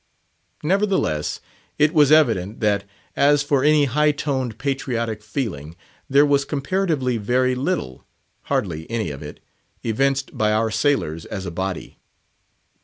Nevertheless, it was evident, that as for any high toned patriotic feeling, there was comparatively very little—hardly any of it—evinced by our sailors as a body.